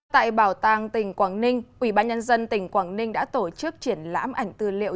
tại bảo tàng tỉnh quảng ninh ubnd tỉnh quảng ninh đã tổ chức triển lãm ảnh tư liệu